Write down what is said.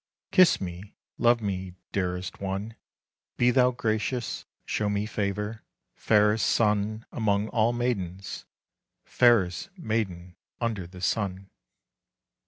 Kiss me, love me, dearest one, Be thou gracious, show me favor, Fairest sun among all maidens, Fairest maiden under the sun.